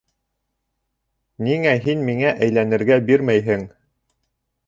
Ниңә һин миңә әйләнергә бирмәйһең?!